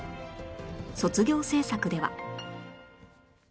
卒業制作では